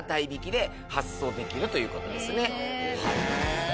へえ。